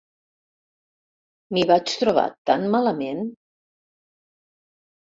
M'hi vaig trobar tan malament!